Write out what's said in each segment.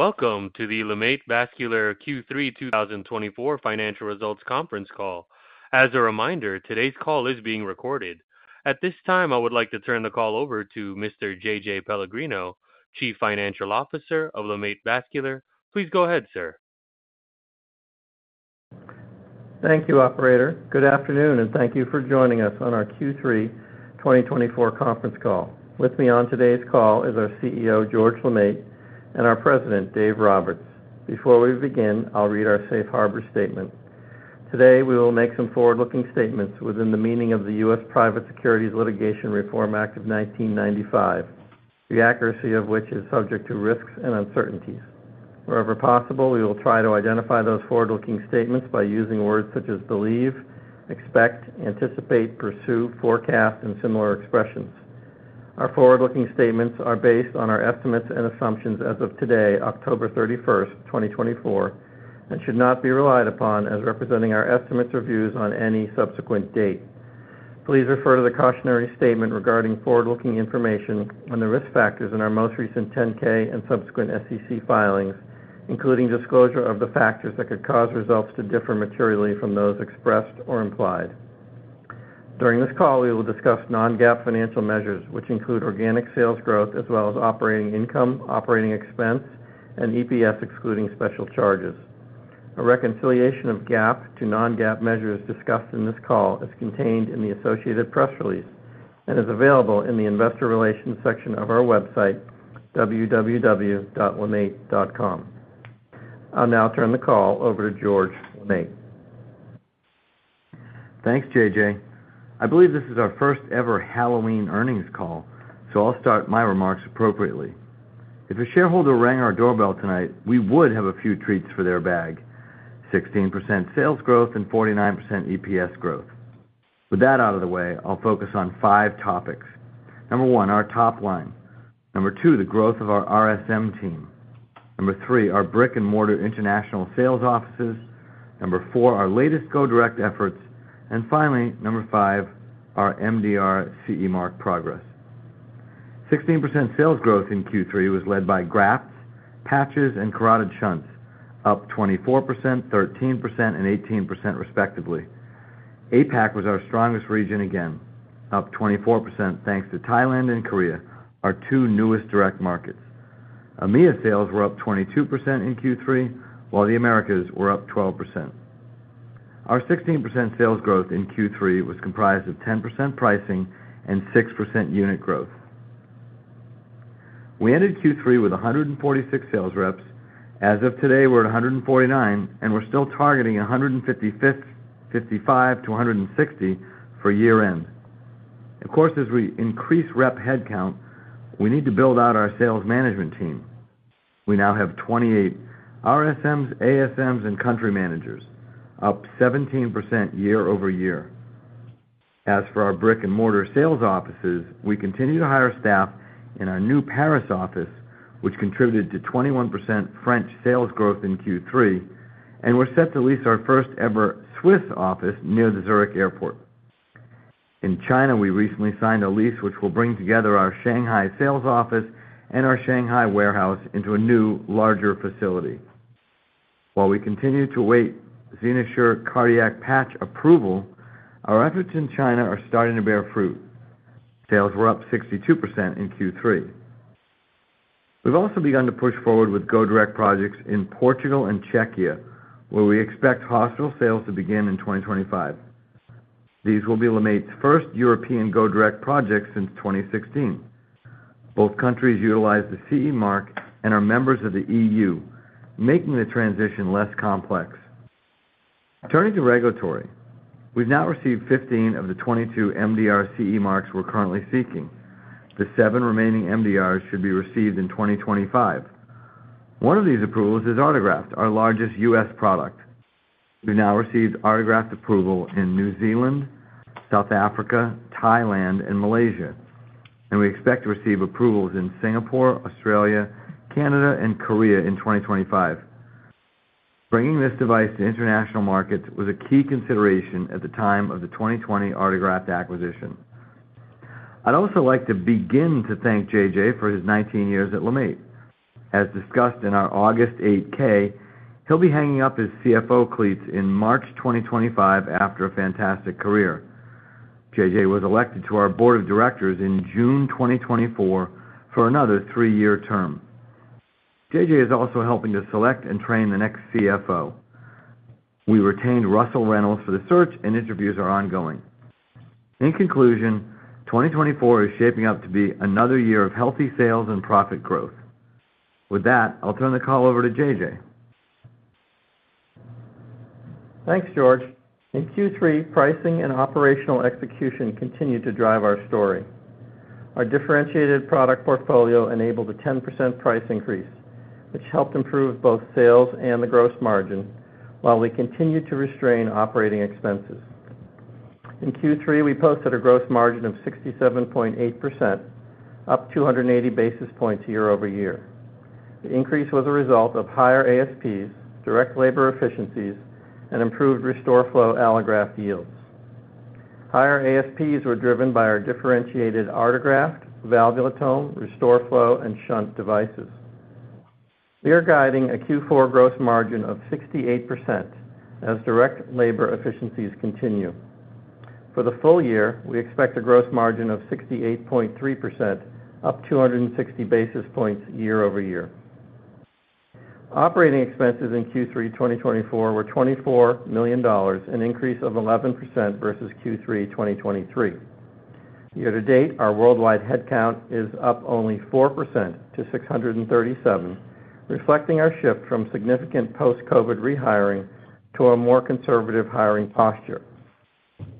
Welcome to the LeMaitre Vascular Q3 2024 Financial Results Conference Call. As a reminder, today's call is being recorded. At this time, I would like to turn the call over to Mr. J.J. Pellegrino, Chief Financial Officer of LeMaitre Vascular. Please go ahead, sir. Thank you, Operator. Good afternoon, and thank you for joining us on our Q3 2024 Conference Call. With me on today's call is our CEO, George LeMaitre, and our President, Dave Roberts. Before we begin, I'll read our Safe Harbor Statement. Today, we will make some forward-looking statements within the meaning of the U.S. Private Securities Litigation Reform Act of 1995, the accuracy of which is subject to risks and uncertainties. Wherever possible, we will try to identify those forward-looking statements by using words such as believe, expect, anticipate, pursue, forecast, and similar expressions. Our forward-looking statements are based on our estimates and assumptions as of today, October 31, 2024, and should not be relied upon as representing our estimates or views on any subsequent date. Please refer to the cautionary statement regarding forward-looking information and the risk factors in our most recent 10-K and subsequent SEC filings, including disclosure of the factors that could cause results to differ materially from those expressed or implied. During this call, we will discuss Non-GAAP financial measures, which include organic sales growth as well as operating income, operating expense, and EPS excluding special charges. A reconciliation of GAAP to Non-GAAP measures discussed in this call is contained in the associated press release and is available in the investor relations section of our website, www.lemaitre.com. I'll now turn the call over to George LeMaitre. Thanks, J.J. I believe this is our first ever Halloween earnings call, so I'll start my remarks appropriately. If a shareholder rang our doorbell tonight, we would have a few treats for their bag: 16% sales growth and 49% EPS growth. With that out of the way, I'll focus on five topics. Number one, our top line. Number two, the growth of our RSM team. Number three, our brick-and-mortar international sales offices. Number four, our latest go direct efforts, and finally, number five, our MDR CE mark progress. 16% sales growth in Q3 was led by grafts, patches, and carotid shunts, up 24%, 13%, and 18% respectively. APAC was our strongest region again, up 24% thanks to Thailand and Korea, our two newest direct markets. EMEA sales were up 22% in Q3, while the Americas were up 12%. Our 16% sales growth in Q3 was comprised of 10% pricing and 6% unit growth. We ended Q3 with 146 sales reps. As of today, we're at 149, and we're still targeting 155 to 160 for year-end. Of course, as we increase rep headcount, we need to build out our sales management team. We now have 28 RSMs, ASMs, and country managers, up 17% year-over-year. As for our brick-and-mortar sales offices, we continue to hire staff in our new Paris office, which contributed to 21% French sales growth in Q3, and we're set to lease our first ever Swiss office near the Zurich Airport. In China, we recently signed a lease which will bring together our Shanghai sales office and our Shanghai warehouse into a new, larger facility. While we continue to await XenoSure cardiac patch approval, our efforts in China are starting to bear fruit. Sales were up 62% in Q3. We've also begun to push forward with go direct projects in Portugal and Czechia, where we expect hospital sales to begin in 2025. These will be LeMaitre's first European go direct projects since 2016. Both countries utilize the CE mark and are members of the EU, making the transition less complex. Turning to regulatory, we've now received 15 of the 22 MDR CE marks we're currently seeking. The seven remaining MDRs should be received in 2025. One of these approvals is Artegraft, our largest U.S. product. We've now received Artegraft approval in New Zealand, South Africa, Thailand, and Malaysia, and we expect to receive approvals in Singapore, Australia, Canada, and Korea in 2025. Bringing this device to international markets was a key consideration at the time of the 2020 Artegraft acquisition. I'd also like to begin to thank J.J. for his 19 years at LeMaitre. As discussed in our August 8-K, he'll be hanging up his CFO cleats in March 2025 after a fantastic career. J.J. was elected to our board of directors in June 2024 for another three-year term. J.J. is also helping to select and train the next CFO. We retained Russell Reynolds for the search, and interviews are ongoing. In conclusion, 2024 is shaping up to be another year of healthy sales and profit growth. With that, I'll turn the call over to J.J. Thanks, George. In Q3, pricing and operational execution continued to drive our story. Our differentiated product portfolio enabled a 10% price increase, which helped improve both sales and the gross margin, while we continued to restrain operating expenses. In Q3, we posted a gross margin of 67.8%, up 280 basis points year-over-year. The increase was a result of higher ASPs, direct labor efficiencies, and improved RestoreFlow allograft yields. Higher ASPs were driven by our differentiated Artegraft, valvulotome, RestoreFlow, and shunt devices. We are guiding a Q4 gross margin of 68% as direct labor efficiencies continue. For the full year, we expect a gross margin of 68.3%, up 260 basis points year-over-year. Operating expenses in Q3 2024 were $24 million, an increase of 11% versus Q3 2023. Year to date, our worldwide headcount is up only 4% to 637, reflecting our shift from significant post-COVID rehiring to a more conservative hiring posture.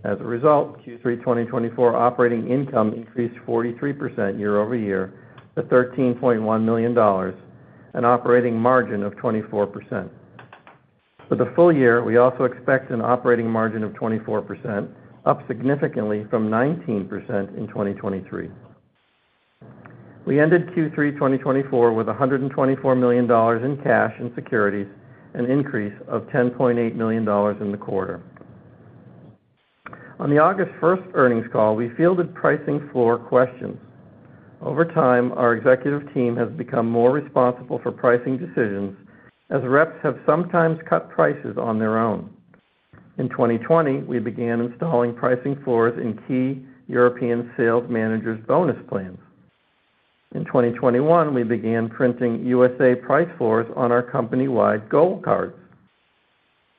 As a result, Q3 2024 operating income increased 43% year-over-year to $13.1 million, an operating margin of 24%. For the full year, we also expect an operating margin of 24%, up significantly from 19% in 2023. We ended Q3 2024 with $124 million in cash and securities, an increase of $10.8 million in the quarter. On the August 1st earnings call, we fielded pricing floor questions. Over time, our executive team has become more responsible for pricing decisions, as reps have sometimes cut prices on their own. In 2020, we began installing pricing floors in key European sales managers' bonus plans. In 2021, we began printing USA price floors on our company-wide goal cards.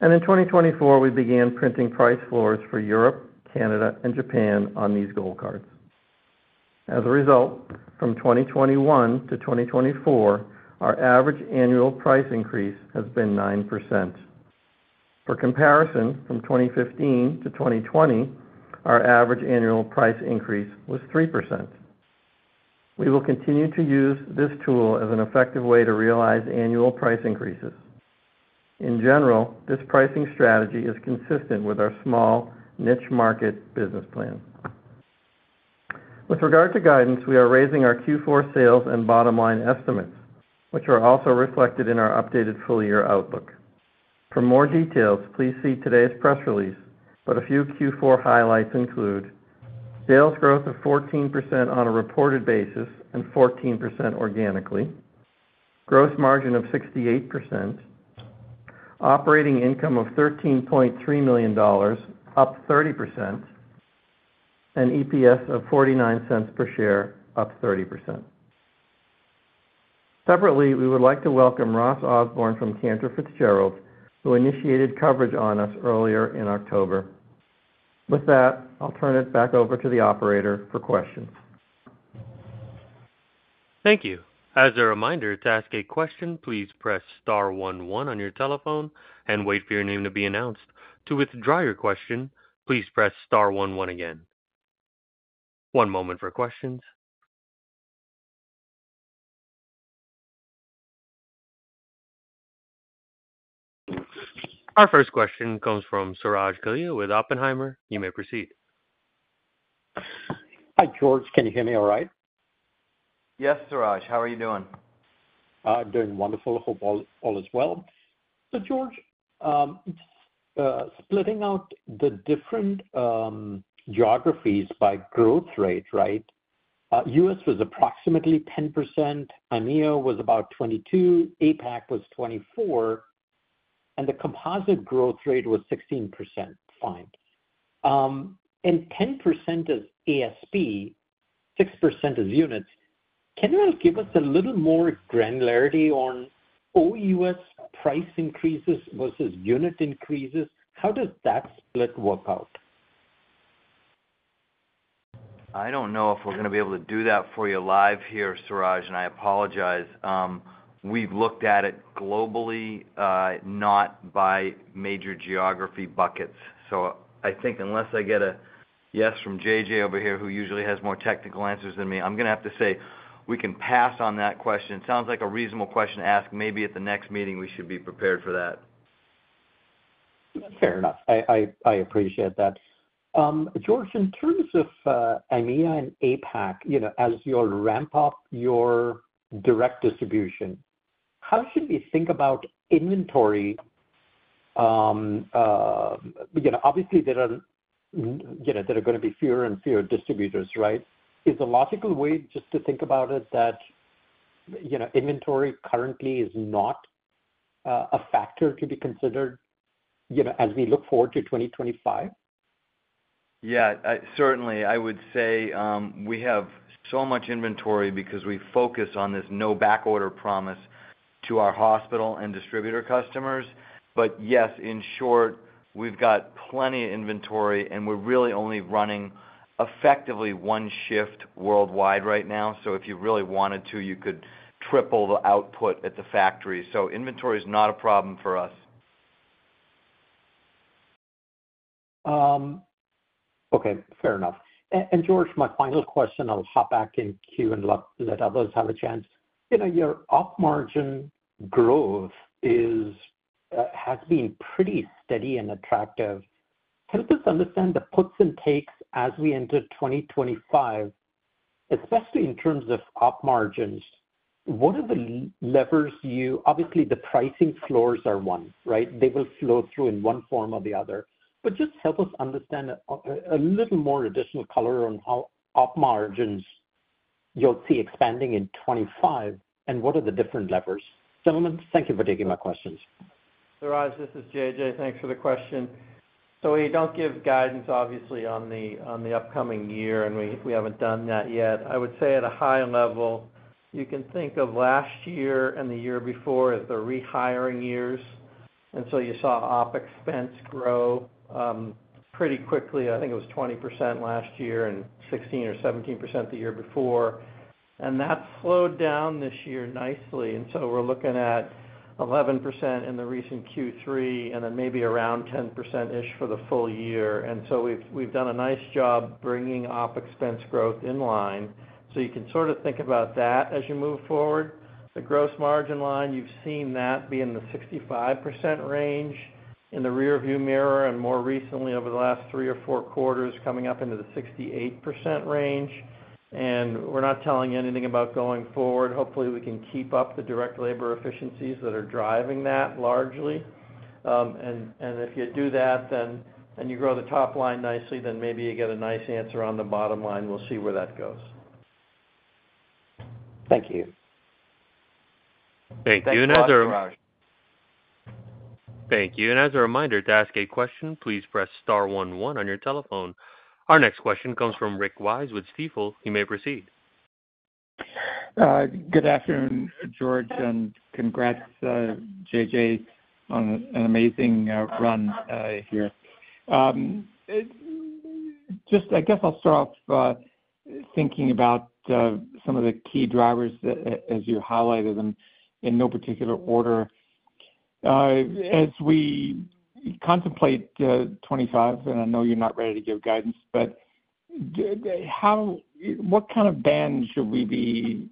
In 2024, we began printing price floors for Europe, Canada, and Japan on these goal cards. As a result, from 2021 to 2024, our average annual price increase has been 9%. For comparison, from 2015 to 2020, our average annual price increase was 3%. We will continue to use this tool as an effective way to realize annual price increases. In general, this pricing strategy is consistent with our small niche market business plan. With regard to guidance, we are raising our Q4 sales and bottom line estimates, which are also reflected in our updated full-year outlook. For more details, please see today's press release, but a few Q4 highlights include sales growth of 14% on a reported basis and 14% organically, gross margin of 68%, operating income of $13.3 million, up 30%, and EPS of $0.49 per share, up 30%. Separately, we would like to welcome Ross Osborne from Cantor Fitzgerald, who initiated coverage on us earlier in October. With that, I'll turn it back over to the operator for questions. Thank you. As a reminder, to ask a question, please star one one on your telephone and wait for your name to be announced. To withdraw your question, please star one one again. One moment for questions. Our first question comes from Suraj Kalia with Oppenheimer. You may proceed. Hi, George. Can you hear me all right? Yes, Suraj. How are you doing? I'm doing wonderful. Hope all is well. So, George, splitting out the different geographies by growth rate, right? U.S. was approximately 10%, EMEA was about 22%, APAC was 24%, and the composite growth rate was 16%. Fine. And 10% is ASP, 6% is units. Can you give us a little more granularity on all U.S. price increases versus unit increases? How does that split work out? I don't know if we're going to be able to do that for you live here, Suraj, and I apologize. We've looked at it globally, not by major geography buckets. So I think unless I get a yes from J.J. over here, who usually has more technical answers than me, I'm going to have to say we can pass on that question. Sounds like a reasonable question to ask. Maybe at the next meeting, we should be prepared for that. Fair enough. I appreciate that. George, in terms of EMEA and APAC, as you ramp up your direct distribution, how should we think about inventory? Obviously, there are going to be fewer and fewer distributors, right? Is the logical way just to think about it that inventory currently is not a factor to be considered as we look forward to 2025? Yeah, certainly. I would say we have so much inventory because we focus on this no backorder promise to our hospital and distributor customers. But yes, in short, we've got plenty of inventory, and we're really only running effectively one shift worldwide right now. So if you really wanted to, you could triple the output at the factory. So inventory is not a problem for us. Okay. Fair enough. And George, my final question. I'll hop back in queue and let others have a chance. Your gross margin growth has been pretty steady and attractive. Help us understand the puts and takes as we enter 2025, especially in terms of gross margins. What are the levers you obviously, the pricing floors are one, right? They will flow through in one form or the other. But just help us understand a little more additional color on how gross margins you'll see expanding in '25, and what are the different levers? Gentlemen, thank you for taking my questions. Suraj, this is J.J. Thanks for the question. So we don't give guidance, obviously, on the upcoming year, and we haven't done that yet. I would say at a high level, you can think of last year and the year before as the rehiring years. And so you saw OpEx grow pretty quickly. I think it was 20% last year and 16 or 17% the year before. And that slowed down this year nicely. And so we're looking at 11% in the recent Q3 and then maybe around 10%-ish for the full year. And so we've done a nice job bringing OpEx growth in line. So you can sort of think about that as you move forward. The gross margin line, you've seen that be in the 65% range in the rearview mirror and more recently over the last three or four quarters coming up into the 68% range. And we're not telling you anything about going forward. Hopefully, we can keep up the direct labor efficiencies that are driving that largely. And if you do that and you grow the top line nicely, then maybe you get a nice answer on the bottom line. We'll see where that goes. Thank you. Thank you. As a reminder. Thank you, George. Thank you. And as a reminder to ask a question, please star one one on your telephone. Our next question comes from Rick Wise with Stifel. You may proceed. Good afternoon, George, and congrats, J.J., on an amazing run here. Just I guess I'll start off thinking about some of the key drivers, as you highlighted them, in no particular order. As we contemplate 2025, and I know you're not ready to give guidance, but what kind of band should we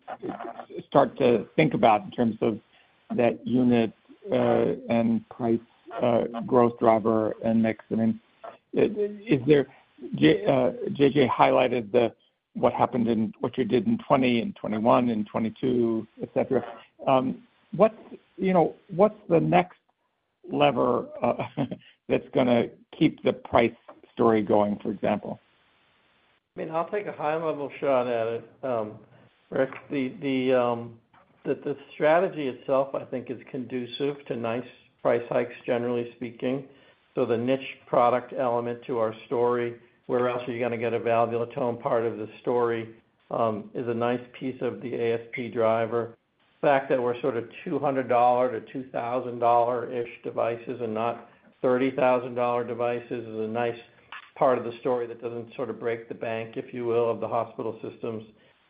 start to think about in terms of that unit and price growth driver and mix? I mean, J.J. highlighted what happened in what you did in 2020 and 2021 and 2022, etc. What's the next lever that's going to keep the price story going, for example? I mean, I'll take a high-level shot at it. Rick, the strategy itself, I think, is conducive to nice price hikes, generally speaking. So the niche product element to our story, where else are you going to get a valvulotome part of the story, is a nice piece of the ASP driver. The fact that we're sort of $200-$2,000-ish devices and not $30,000 devices is a nice part of the story that doesn't sort of break the bank, if you will, of the hospital systems.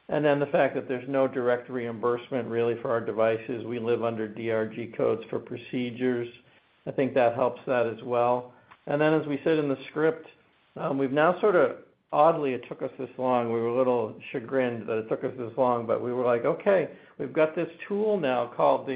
And then the fact that there's no direct reimbursement really for our devices. We live under DRG codes for procedures. I think that helps that as well. And then, as we said in the script, we've now sort of oddly, it took us this long. We were a little chagrined that it took us this long, but we were like, "Okay, we've got this tool now called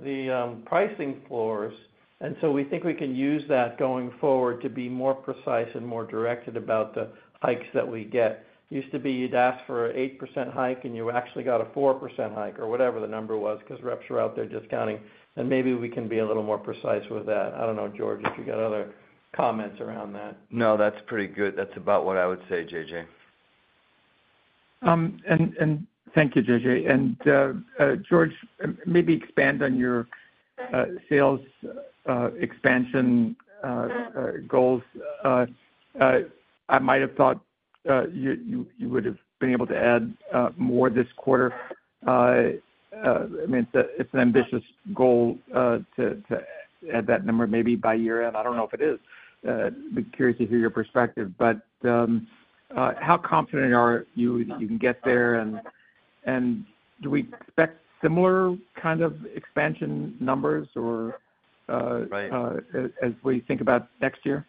the pricing floors." And so we think we can use that going forward to be more precise and more directed about the hikes that we get. It used to be you'd ask for an 8% hike, and you actually got a 4% hike or whatever the number was because reps were out there discounting. And maybe we can be a little more precise with that. I don't know, George, if you got other comments around that. No, that's pretty good. That's about what I would say, J.J. Thank you, J.J. George, maybe expand on your sales expansion goals. I might have thought you would have been able to add more this quarter. I mean, it's an ambitious goal to add that number maybe by year-end. I don't know if it is. I'd be curious to hear your perspective. But how confident are you that you can get there? Do we expect similar kind of expansion numbers as we think about next year?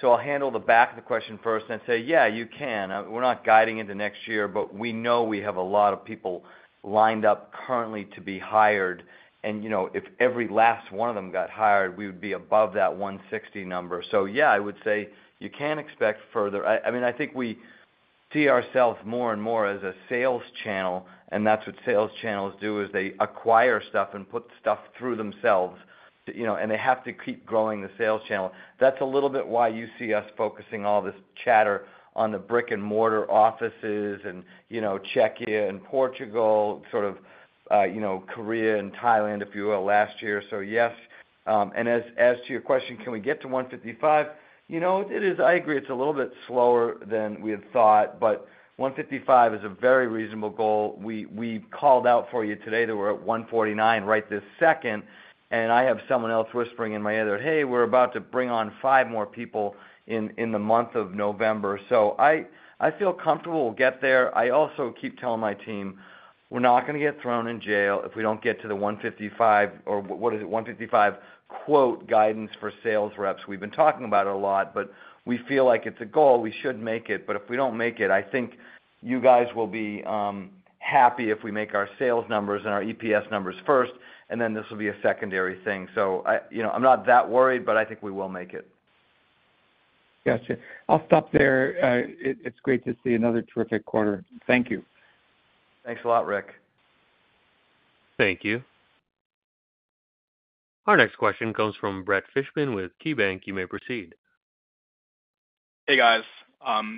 So, I'll handle the back of the question first and say, "Yeah, you can." We're not guiding into next year, but we know we have a lot of people lined up currently to be hired. And if every last one of them got hired, we would be above that 160 number. So yeah, I would say you can expect further. I mean, I think we see ourselves more and more as a sales channel, and that's what sales channels do, is they acquire stuff and put stuff through themselves, and they have to keep growing the sales channel. That's a little bit why you see us focusing all this chatter on the brick-and-mortar offices and Czechia and Portugal, sort of Korea and Thailand, if you will, last year. So yes. And as to your question, can we get to 155? You know, I agree. It's a little bit slower than we had thought, but 155 is a very reasonable goal. We called out for you today that we're at 149 right this second, and I have someone else whispering in my ear, "Hey, we're about to bring on five more people in the month of November." So I feel comfortable we'll get there. I also keep telling my team, "We're not going to get thrown in jail if we don't get to the 155 or what is it, 155 quote guidance for sales reps." We've been talking about it a lot, but we feel like it's a goal. We should make it. But if we don't make it, I think you guys will be happy if we make our sales numbers and our EPS numbers first, and then this will be a secondary thing. So I'm not that worried, but I think we will make it. Gotcha. I'll stop there. It's great to see another terrific quarter. Thank you. Thanks a lot, Rick. Thank you. Our next question comes from Brett Fishman with KeyBanc. You may proceed. Hey, guys.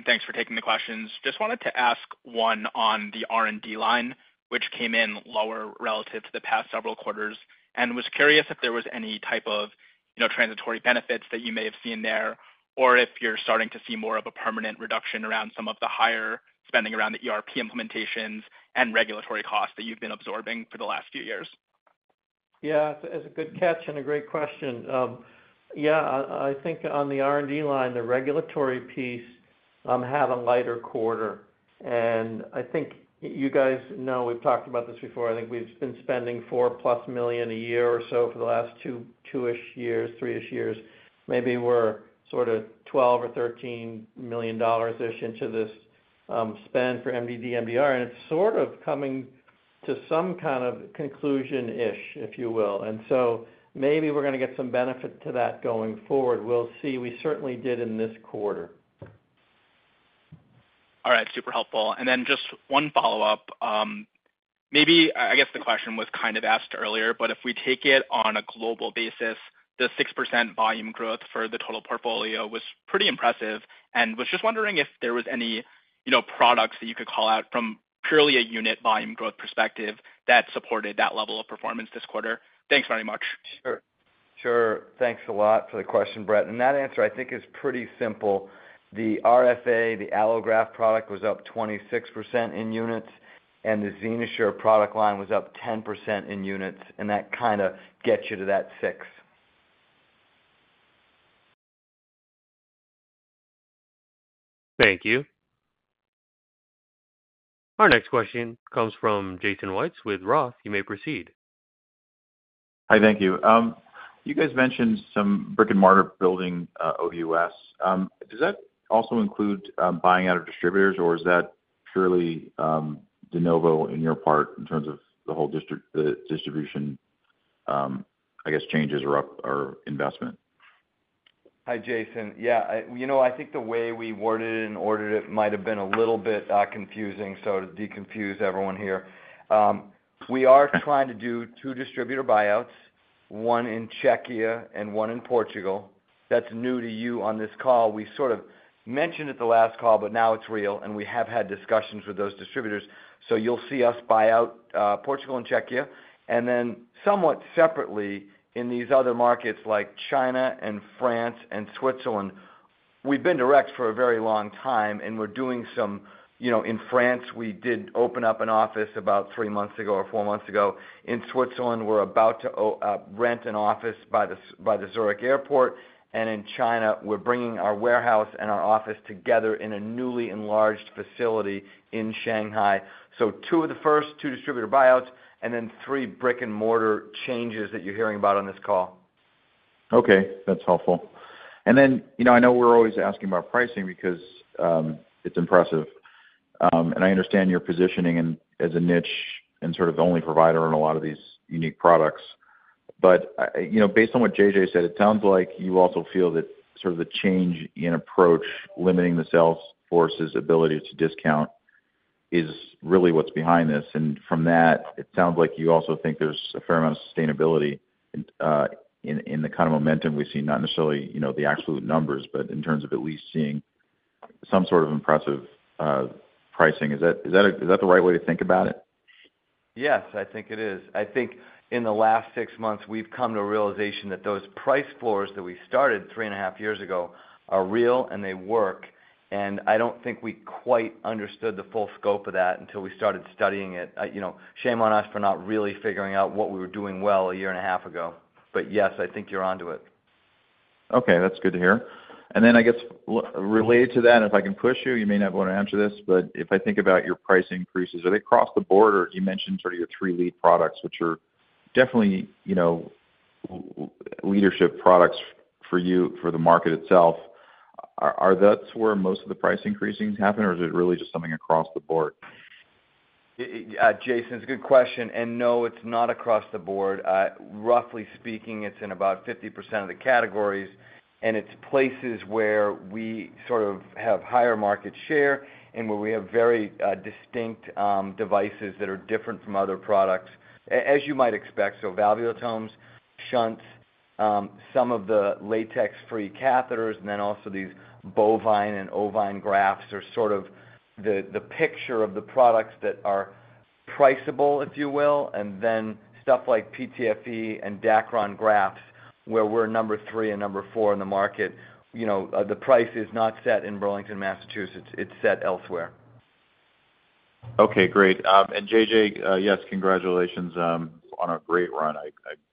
Thanks for taking the questions. Just wanted to ask one on the R&D line, which came in lower relative to the past several quarters, and was curious if there was any type of transitory benefits that you may have seen there, or if you're starting to see more of a permanent reduction around some of the higher spending around the ERP implementations and regulatory costs that you've been absorbing for the last few years. Yeah, that's a good catch and a great question. Yeah, I think on the R&D line, the regulatory piece had a lighter quarter. And I think you guys know we've talked about this before. I think we've been spending $4-plus million a year or so for the last two-ish years, three-ish years. Maybe we're sort of $12 million or $13 million-ish into this spend for MDD, MDR, and it's sort of coming to some kind of conclusion-ish, if you will. And so maybe we're going to get some benefit to that going forward. We'll see. We certainly did in this quarter. All right. Super helpful. And then just one follow-up. Maybe I guess the question was kind of asked earlier, but if we take it on a global basis, the 6% volume growth for the total portfolio was pretty impressive. And was just wondering if there was any products that you could call out from purely a unit volume growth perspective that supported that level of performance this quarter? Thanks very much. Sure. Sure. Thanks a lot for the question, Brett. And that answer, I think, is pretty simple. The RFA, the Allograft product was up 26% in units, and the XenoSure product line was up 10% in units. And that kind of gets you to that 6. Thank you. Our next question comes from Jason Wittes with ROTH. You may proceed. Hi, thank you. You guys mentioned some brick-and-mortar building over the U.S. Does that also include buying out of distributors, or is that purely de novo in your part in terms of the whole distribution, I guess, changes or investment? Hi, Jason. Yeah. You know, I think the way we worded it and ordered it might have been a little bit confusing. So to deconfuse everyone here, we are trying to do two distributor buyouts, one in Czechia and one in Portugal. That's new to you on this call. We sort of mentioned it the last call, but now it's real, and we have had discussions with those distributors. So you'll see us buy out Portugal and Czechia, and then somewhat separately, in these other markets like China and France and Switzerland, we've been direct for a very long time, and we're doing some in France, we did open up an office about three months ago or four months ago. In Switzerland, we're about to rent an office by the Zurich Airport, and in China, we're bringing our warehouse and our office together in a newly enlarged facility in Shanghai. So two of the first, two distributor buyouts, and then three brick-and-mortar changes that you're hearing about on this call. Okay. That's helpful. And then I know we're always asking about pricing because it's impressive. And I understand your positioning as a niche and sort of the only provider on a lot of these unique products. But based on what J.J. said, it sounds like you also feel that sort of the change in approach, limiting the sales force's ability to discount, is really what's behind this. And from that, it sounds like you also think there's a fair amount of sustainability in the kind of momentum we see, not necessarily the absolute numbers, but in terms of at least seeing some sort of impressive pricing. Is that the right way to think about it? Yes, I think it is. I think in the last six months, we've come to a realization that those price floors that we started three and a half years ago are real and they work. And I don't think we quite understood the full scope of that until we started studying it. Shame on us for not really figuring out what we were doing well a year and a half ago. But yes, I think you're onto it. Okay. That's good to hear. And then I guess related to that, if I can push you, you may not want to answer this, but if I think about your price increases, are they across the board? Or you mentioned sort of your three lead products, which are definitely leadership products for you for the market itself. Are those where most of the price increases happen, or is it really just something across the board? Jason, it's a good question, and no, it's not across the board. Roughly speaking, it's in about 50% of the categories, and it's places where we sort of have higher market share and where we have very distinct devices that are different from other products, as you might expect, so valvulotomes, shunts, some of the latex-free catheters, and then also these bovine and ovine grafts are sort of the picture of the products that are priceable, if you will. And then stuff like PTFE and Dacron grafts, where we're number three and number four in the market. The price is not set in Burlington, Massachusetts. It's set elsewhere. Okay. Great. And J.J., yes, congratulations on a great run. I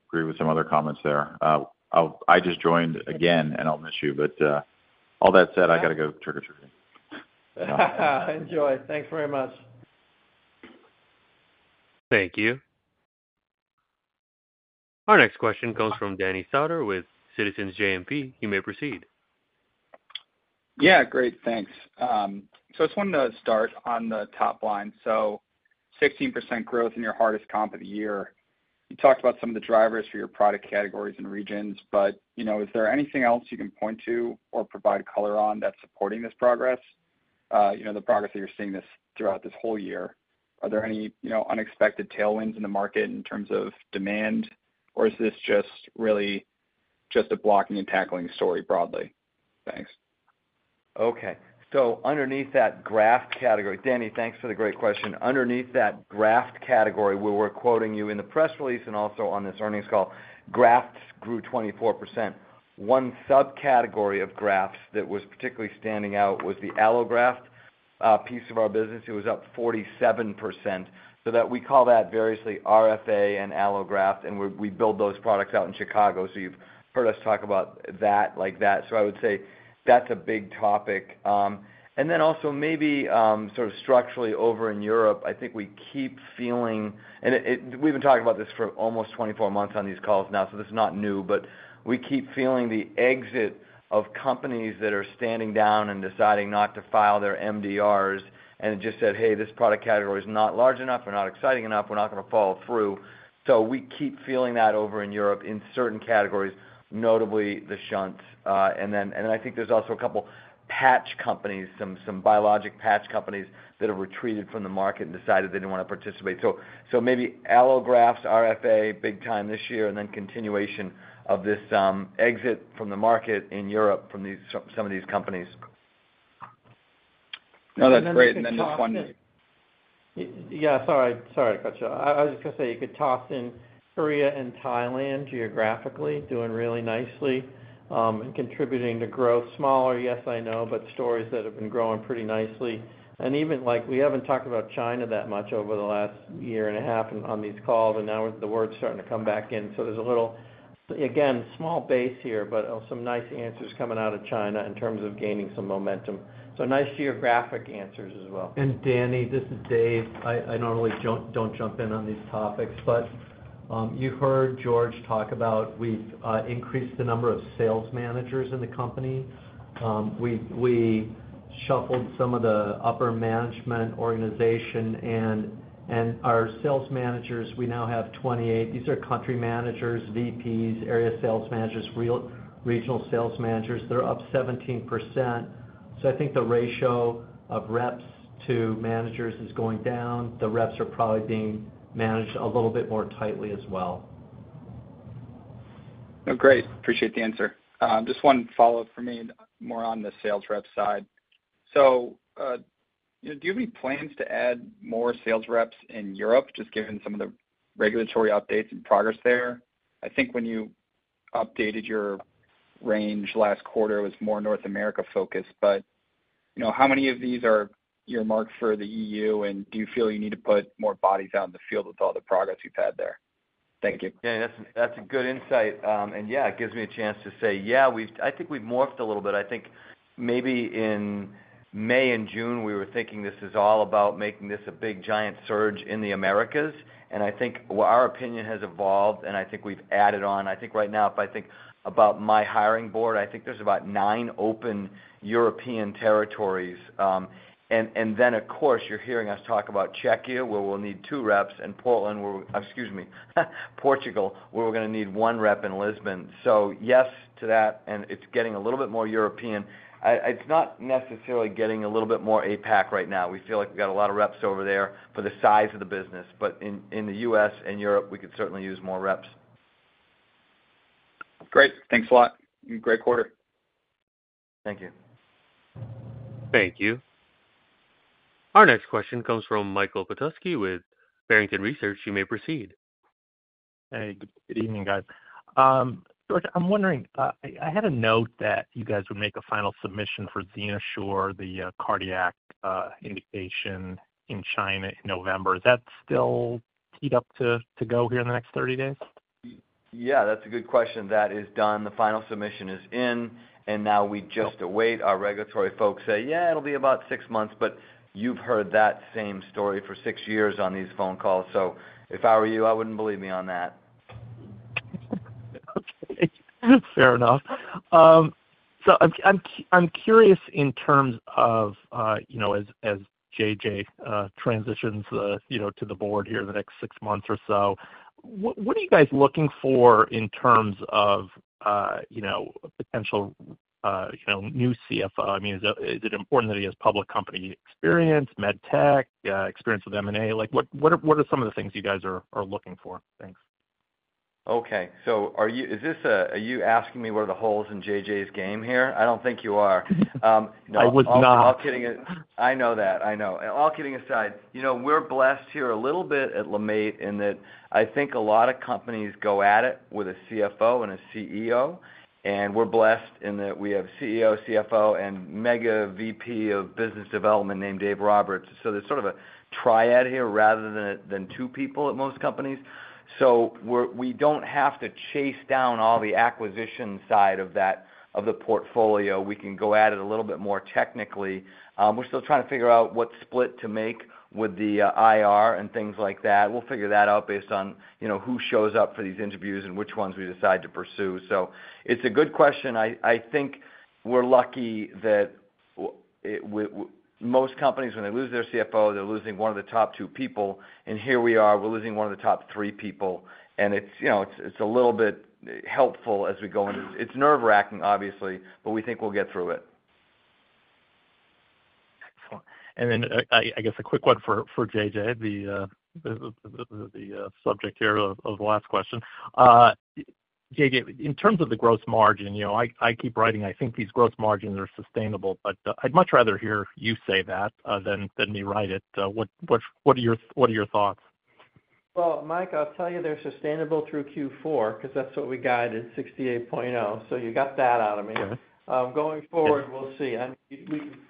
agree with some other comments there. I just joined again, and I'll miss you. But all that said, I got to go trick-or-treating. Enjoy. Thanks very much. Thank you. Our next question comes from Danny Stauder with Citizens JMP. You may proceed. Yeah. Great. Thanks. So I just wanted to start on the top line. So 16% growth in your hardest comp of the year. You talked about some of the drivers for your product categories and regions, but is there anything else you can point to or provide color on that's supporting this progress, the progress that you're seeing throughout this whole year? Are there any unexpected tailwinds in the market in terms of demand, or is this just really a blocking and tackling story broadly? Thanks. Okay. So underneath that graft category, Danny, thanks for the great question, underneath that graft category, where we're quoting you in the press release and also on this earnings call, grafts grew 24%. One subcategory of grafts that was particularly standing out was the Allograft piece of our business. It was up 47%. So we call that variously RFA and Allograft, and we build those products out in Chicago. So you've heard us talk about that like that. So I would say that's a big topic. And then also maybe sort of structurally over in Europe, I think we keep feeling, and we've been talking about this for almost 24 months on these calls now, so this is not new, but we keep feeling the exit of companies that are standing down and deciding not to file their MDRs and just said, "Hey, this product category is not large enough or not exciting enough. We're not going to follow through." So we keep feeling that over in Europe in certain categories, notably the shunts. And then I think there's also a couple of patch companies, some biologic patch companies that have retreated from the market and decided they didn't want to participate. So maybe allografts, RFA, big time this year, and then continuation of this exit from the market in Europe from some of these companies. No, that's great. And then just one- Yeah. Sorry. Sorry. I cut you off. I was just going to say you could toss in Korea and Thailand, geographically, doing really nicely and contributing to growth. Smaller, yes, I know, but stories that have been growing pretty nicely. And even we haven't talked about China that much over the last year and a half on these calls, and now the word's starting to come back in. So there's a little, again, small base here, but some nice answers coming out of China in terms of gaining some momentum. So nice geographic answers as well. Danny, this is Dave. I normally don't jump in on these topics, but you heard George talk about we've increased the number of sales managers in the company. We shuffled some of the upper management organization, and our sales managers, we now have 28. These are country managers, VPs, area sales managers, regional sales managers. They're up 17%. So I think the ratio of reps to managers is going down. The reps are probably being managed a little bit more tightly as well. Great. I appreciate the answer. Just one follow-up for me, more on the sales rep side. So do you have any plans to add more sales reps in Europe, just given some of the regulatory updates and progress there? I think when you updated your range last quarter, it was more North America focused, but how many of these are your mark for the EU, and do you feel you need to put more bodies out in the field with all the progress you've had there? Thank you. Yeah. That's a good insight. And yeah, it gives me a chance to say, yeah, I think we've morphed a little bit. I think maybe in May and June, we were thinking this is all about making this a big giant surge in the Americas. And I think our opinion has evolved, and I think we've added on. I think right now, if I think about my hiring board, I think there's about nine open European territories. And then, of course, you're hearing us talk about Czechia, where we'll need two reps, and Portland, excuse me, Portugal, where we're going to need one rep in Lisbon. So yes to that, and it's getting a little bit more European. It's not necessarily getting a little bit more APAC right now. We feel like we've got a lot of reps over there for the size of the business. But in the U.S. and Europe, we could certainly use more reps. Great. Thanks a lot. Great quarter. Thank you. Thank you. Our next question comes from Michael Petusky with Barrington Research. You may proceed. Hey. Good evening, guys. George, I'm wondering, I had a note that you guys would make a final submission for XenoSure, the cardiac indication in China in November. Is that still teed up to go here in the next 30 days? Yeah. That's a good question. That is done. The final submission is in, and now we just await. Our regulatory folks say, "Yeah, it'll be about six months," but you've heard that same story for six years on these phone calls. So if I were you, I wouldn't believe me on that. Fair enough. So I'm curious in terms of, as J.J. transitions to the board here in the next six months or so, what are you guys looking for in terms of potential new CFO? I mean, is it important that he has public company experience, med tech, experience with M&A? What are some of the things you guys are looking for? Thanks. Okay. So are you asking me where the hole is in J.J.'s game here? I don't think you are. I was not. all kidding. I'mI know that. I know. All kidding aside, we're blessed here a little bit at LeMaitre in that I think a lot of companies go at it with a CFO and a CEO, and we're blessed in that we have CEO, CFO, and mega VP of business development named Dave Roberts. So there's sort of a triad here rather than two people at most companies. So we don't have to chase down all the acquisition side of the portfolio. We can go at it a little bit more technically. We're still trying to figure out what split to make with the IR and things like that. We'll figure that out based on who shows up for these interviews and which ones we decide to pursue. So it's a good question. I think we're lucky that most companies, when they lose their CFO, they're losing one of the top two people. And here we are, we're losing one of the top three people. And it's a little bit helpful as we go into this. It's nerve-wracking, obviously, but we think we'll get through it. Excellent. And then I guess a quick one for J.J., the subject here of the last question. J.J., in terms of the gross margin, I keep writing, "I think these gross margins are sustainable," but I'd much rather hear you say that than me write it. What are your thoughts? Mike, I'll tell you they're sustainable through Q4 because that's what we guided 68.0%. You got that out of me. Going forward, we'll see.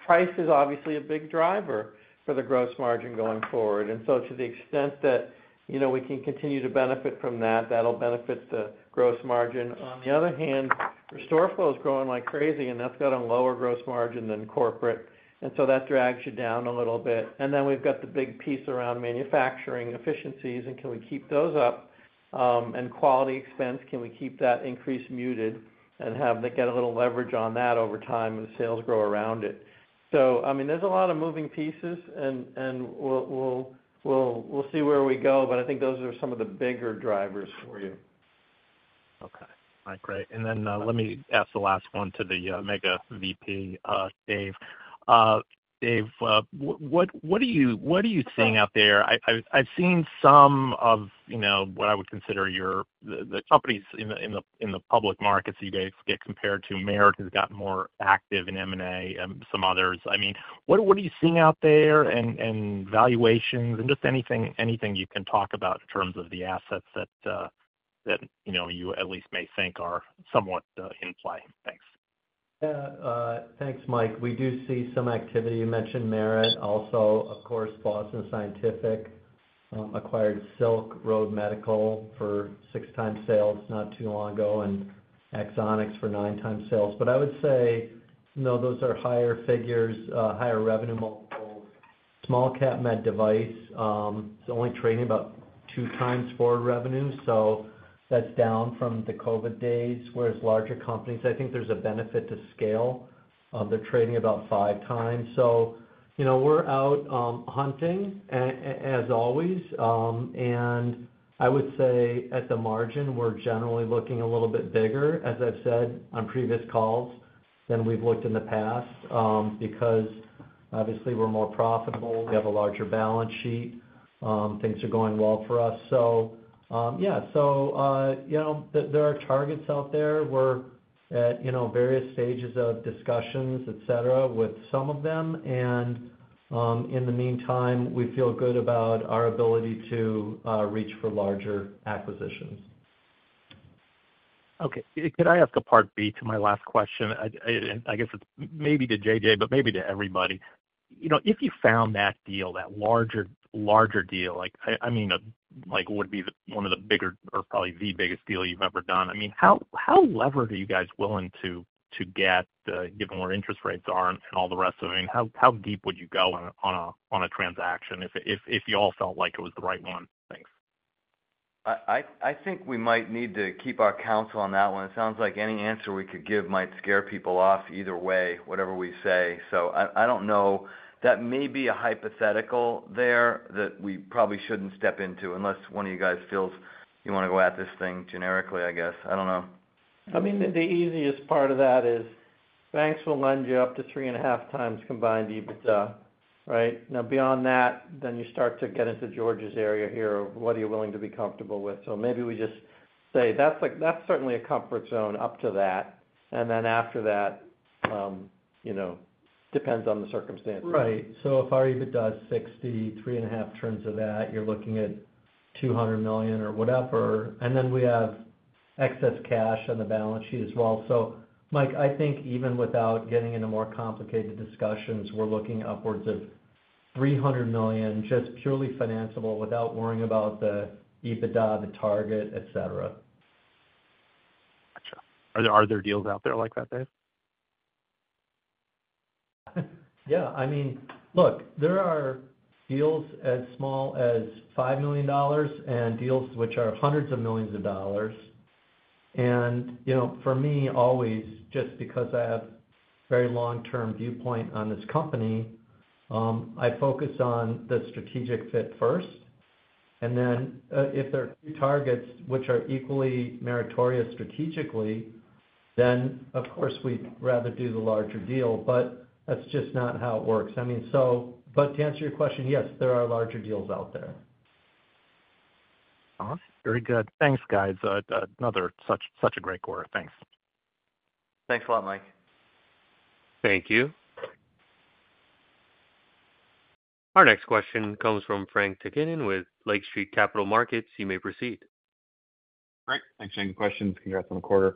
Price is obviously a big driver for the gross margin going forward. To the extent that we can continue to benefit from that, that'll benefit the gross margin. On the other hand, RestoreFlow is growing like crazy, and that's got a lower gross margin than corporate. That drags you down a little bit. Then we've got the big piece around manufacturing efficiencies, and can we keep those up? Quality expense, can we keep that increase muted and have them get a little leverage on that over time as sales grow around it? So I mean, there's a lot of moving pieces, and we'll see where we go, but I think those are some of the bigger drivers for you. Okay. All right. Great. And then let me ask the last one to the EVP, Dave. Dave, what are you seeing out there? I've seen some of what I would consider the companies in the public markets you guys get compared to. Merit has gotten more active in M&A and some others. I mean, what are you seeing out there in valuations and just anything you can talk about in terms of the assets that you at least may think are somewhat in play? Thanks. Yeah. Thanks, Mike. We do see some activity. You mentioned Merit. Also, of course, Boston Scientific acquired Silk Road Medical for six times sales not too long ago and Axonics for nine times sales. But I would say, no, those are higher figures, higher revenue multiples. Small cap med device is only trading about two times forward revenue. So that's down from the COVID days. Whereas larger companies, I think there's a benefit to scale. They're trading about five times. So we're out hunting, as always. And I would say at the margin, we're generally looking a little bit bigger, as I've said on previous calls, than we've looked in the past because obviously we're more profitable. We have a larger balance sheet. Things are going well for us. So yeah. So there are targets out there. We're at various stages of discussions, etc., with some of them. In the meantime, we feel good about our ability to reach for larger acquisitions. Okay. Could I ask a part B to my last question? I guess it's maybe to J.J., but maybe to everybody. If you found that deal, that larger deal, I mean, would be one of the bigger or probably the biggest deal you've ever done, I mean, how leverage are you guys willing to get given where interest rates are and all the rest of it? I mean, how deep would you go on a transaction if you all felt like it was the right one? Thanks. I think we might need to keep our counsel on that one. It sounds like any answer we could give might scare people off either way, whatever we say. So I don't know. That may be a hypothetical there that we probably shouldn't step into unless one of you guys feels you want to go at this thing generically, I guess. I don't know. I mean, the easiest part of that is banks will lend you up to three and a half times combined, right? Now, beyond that, then you start to get into George's area here. What are you willing to be comfortable with? So maybe we just say that's certainly a comfort zone up to that. And then after that, depends on the circumstances. Right, so if our EBITDA is $60 million, three and a half turns of that, you're looking at $200 million or whatever, and then we have excess cash on the balance sheet as well, so Mike, I think even without getting into more complicated discussions, we're looking upwards of $300 million, just purely financeable without worrying about the EBITDA, the target, etc. Gotcha. Are there deals out there like that, Dave? Yeah. I mean, look, there are deals as small as $5 million and deals which are hundreds of millions of dollars. And for me, always, just because I have a very long-term viewpoint on this company, I focus on the strategic fit first. And then if there are two targets which are equally meritorious strategically, then of course we'd rather do the larger deal, but that's just not how it works. I mean, but to answer your question, yes, there are larger deals out there. All right. Very good. Thanks, guys. Another such a great quarter. Thanks. Thanks a lot, Mike. Thank you. Our next question comes from Frank Takkinen with Lake Street Capital Markets. You may proceed. Great. Thanks for the questions. Congrats on the quarter.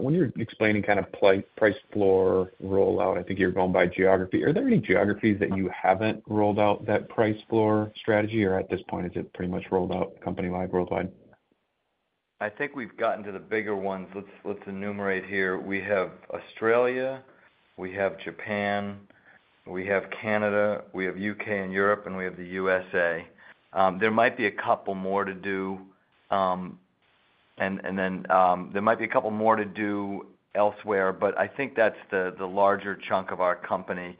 When you're explaining kind of price floor rollout, I think you're going by geography. Are there any geographies that you haven't rolled out that price floor strategy, or at this point, is it pretty much rolled out company-wide, worldwide? I think we've gotten to the bigger ones. Let's enumerate here. We have Australia. We have Japan. We have Canada. We have U.K. and Europe, and we have the USA. There might be a couple more to do, and then there might be a couple more to do elsewhere, but I think that's the larger chunk of our company.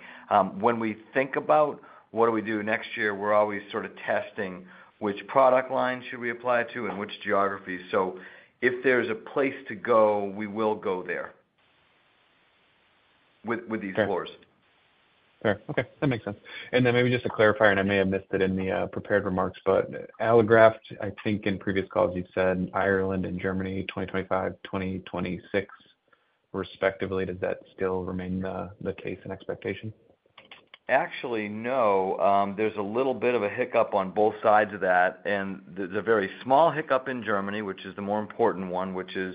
When we think about what do we do next year, we're always sort of testing which product lines should we apply to and which geographies. So if there's a place to go, we will go there with these floors. Fair. Okay. That makes sense, and then maybe just to clarify, and I may have missed it in the prepared remarks, but allograft, I think in previous calls you've said Ireland and Germany, 2025, 2026 respectively. Does that still remain the case and expectation? Actually, no. There's a little bit of a hiccup on both sides of that, and the very small hiccup in Germany, which is the more important one, which is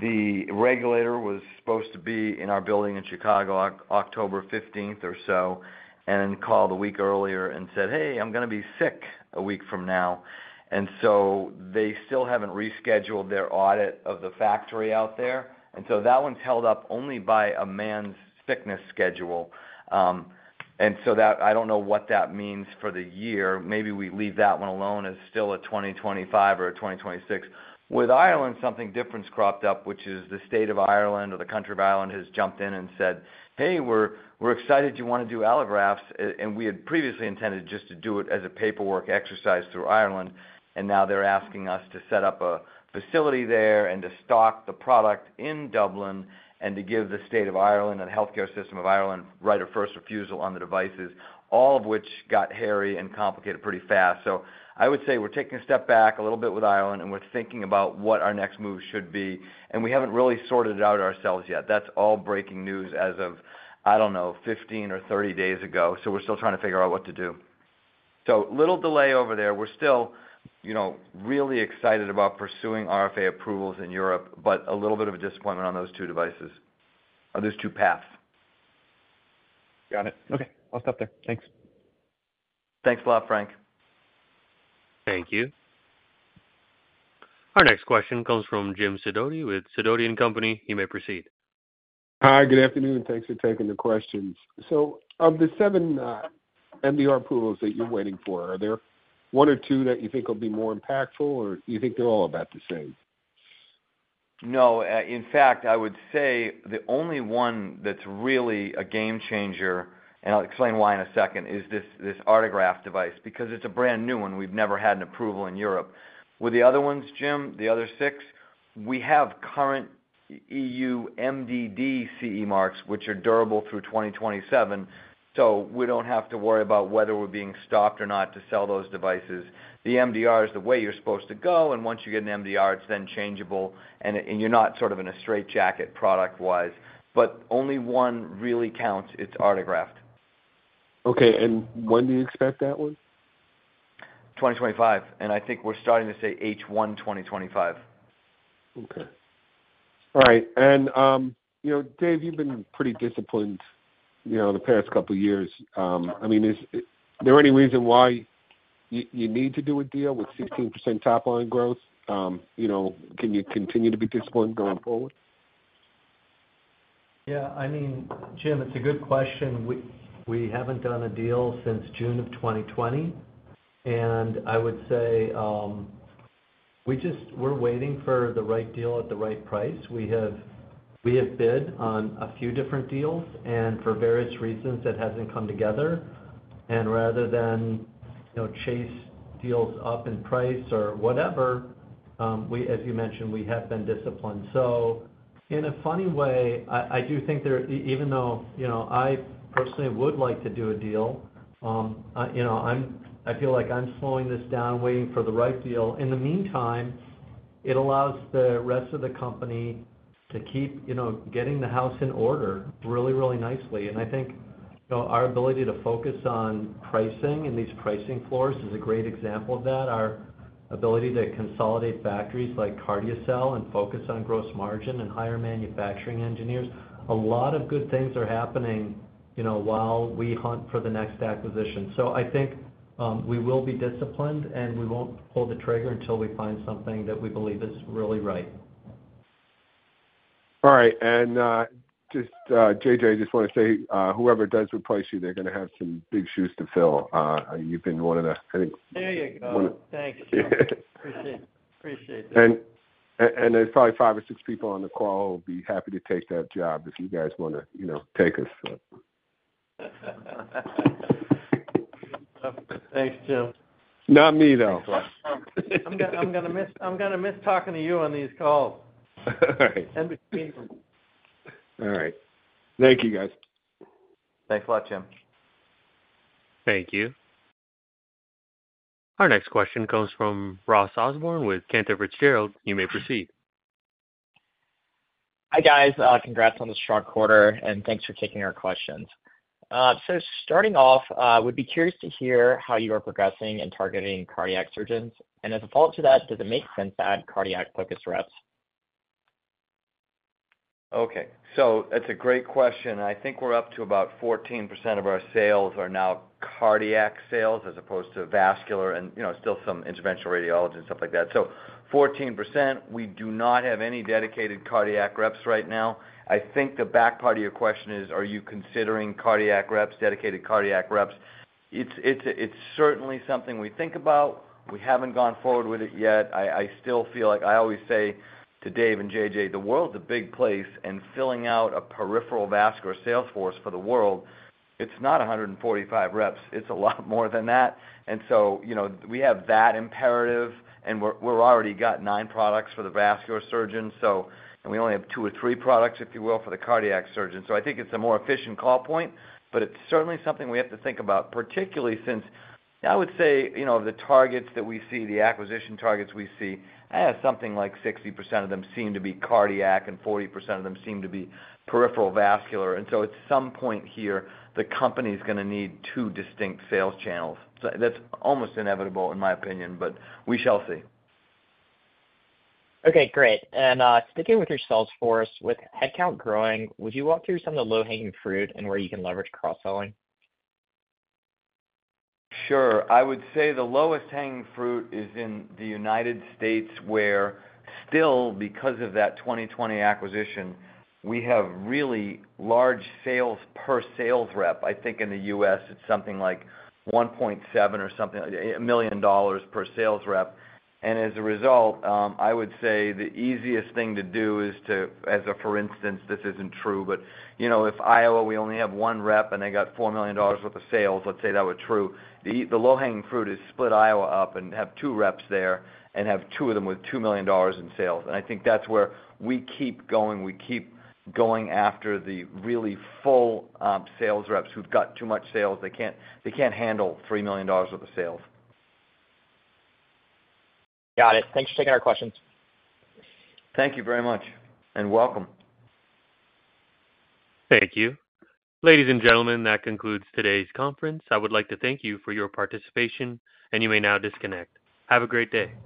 the regulator was supposed to be in our building in Chicago October 15th or so and then called a week earlier and said, "Hey, I'm going to be sick a week from now," and so they still haven't rescheduled their audit of the factory out there, and so that one's held up only by a man's sickness schedule, and so I don't know what that means for the year. Maybe we leave that one alone as still a 2025 or a 2026. With Ireland, something different's cropped up, which is the state of Ireland or the country of Ireland has jumped in and said, "Hey, we're excited you want to do allografts." And we had previously intended just to do it as a paperwork exercise through Ireland, and now they're asking us to set up a facility there and to stock the product in Dublin and to give the state of Ireland and the healthcare system of Ireland right of first refusal on the devices, all of which got hairy and complicated pretty fast. So I would say we're taking a step back a little bit with Ireland, and we're thinking about what our next move should be. And we haven't really sorted it out ourselves yet. That's all breaking news as of, I don't know, 15 or 30 days ago. So we're still trying to figure out what to do. So little delay over there. We're still really excited about pursuing RFA approvals in Europe, but a little bit of a disappointment on those two devices or those two paths. Got it. Okay. I'll stop there. Thanks. Thanks a lot, Frank. Thank you. Our next question comes from Jim Sidoti with Sidoti & Company. You may proceed. Hi, good afternoon, and thanks for taking the questions. So of the seven MDR approvals that you're waiting for, are there one or two that you think will be more impactful, or do you think they're all about the same? No. In fact, I would say the only one that's really a game changer, and I'll explain why in a second, is this Artegraft device because it's a brand new one. We've never had an approval in Europe. With the other ones, Jim, the other six, we have current EU MDD CE marks, which are durable through 2027. So we don't have to worry about whether we're being stopped or not to sell those devices. The MDR is the way you're supposed to go, and once you get an MDR, it's then changeable, and you're not sort of in a straitjacket product-wise. But only one really counts. It's Artegraft. Okay. And when do you expect that one? 2025, and I think we're starting to say H1 2025. Okay. All right. And Dave, you've been pretty disciplined the past couple of years. I mean, is there any reason why you need to do a deal with 16% top-line growth? Can you continue to be disciplined going forward? Yeah. I mean, Jim, it's a good question. We haven't done a deal since June of 2020. And I would say we're waiting for the right deal at the right price. We have bid on a few different deals, and for various reasons, it hasn't come together. And rather than chase deals up in price or whatever, as you mentioned, we have been disciplined. So in a funny way, I do think that even though I personally would like to do a deal, I feel like I'm slowing this down, waiting for the right deal. In the meantime, it allows the rest of the company to keep getting the house in order really, really nicely. And I think our ability to focus on pricing and these pricing floors is a great example of that. Our ability to consolidate factories like CardioCel and focus on gross margin and hire manufacturing engineers. A lot of good things are happening while we hunt for the next acquisition. So I think we will be disciplined, and we won't pull the trigger until we find something that we believe is really right. All right, and just J.J., I just want to say whoever does replace you, they're going to have some big shoes to fill. You've been one of the, I think. There you go. Thanks. Appreciate that. There's probably five or six people on the call who will be happy to take that job if you guys want to take us. Thanks, Jim. Not me, though. I'm going to miss talking to you on these calls in between. All right. Thank you, guys. Thanks a lot, Jim. Thank you. Our next question comes from Ross Osborne with Cantor Fitzgerald. You may proceed. Hi guys. Congrats on the strong quarter, and thanks for taking our questions. So starting off, we'd be curious to hear how you are progressing in targeting cardiac surgeons. And as a follow-up to that, does it make sense to add cardiac-focused reps? Okay. So that's a great question. I think we're up to about 14% of our sales are now cardiac sales as opposed to vascular and still some interventional radiology and stuff like that. So 14%. We do not have any dedicated cardiac reps right now. I think the back part of your question is, are you considering cardiac reps, dedicated cardiac reps? It's certainly something we think about. We haven't gone forward with it yet. I still feel like I always say to Dave and J.J., the world's a big place, and filling out a peripheral vascular salesforce for the world, it's not 145 reps. It's a lot more than that. And so we have that imperative, and we've already got nine products for the vascular surgeons, and we only have two or three products, if you will, for the cardiac surgeons. So I think it's a more efficient call point, but it's certainly something we have to think about, particularly since, I would say, the targets that we see, the acquisition targets we see, something like 60% of them seem to be cardiac and 40% of them seem to be peripheral vascular. And so at some point here, the company's going to need two distinct sales channels. That's almost inevitable, in my opinion, but we shall see. Okay. Great. And sticking with your sales force, with headcount growing, would you walk through some of the low-hanging fruit and where you can leverage cross-selling? Sure. I would say the lowest hanging fruit is in the United States where still, because of that 2020 acquisition, we have really large sales per sales rep. I think in the US, it's something like $1.7 million per sales rep. And as a result, I would say the easiest thing to do is to, as a for instance, this isn't true, but if in Iowa, we only have one rep and they got $4 million worth of sales, let's say that were true, the low-hanging fruit is split Iowa up and have two reps there and have two of them with $2 million in sales. And I think that's where we keep going. We keep going after the really full sales reps who've got too much sales. They can't handle $3 million worth of sales. Got it. Thanks for taking our questions. Thank you very much. Welcome. Thank you. Ladies and gentlemen, that concludes today's conference. I would like to thank you for your participation, and you may now disconnect. Have a great day.